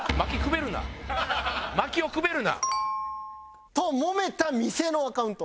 薪をくべるな！ともめた店のアカウント。